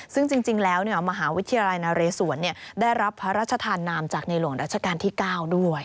ซึ่งจริงแล้วมหาวิทยาลัยนาเรศวรได้รับพระราชทานนามจากในหลวงรัชกาลที่๙ด้วย